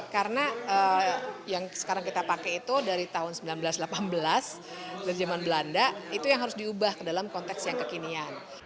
karena yang sekarang kita pakai itu dari tahun seribu sembilan ratus delapan belas dari zaman belanda itu yang harus diubah ke dalam konteks yang kekinian